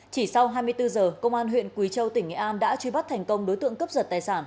chỉ sau hai mươi bốn giờ công an huyện quý châu tỉnh nghệ an đã truy bắt thành công đối tượng cướp giật tài sản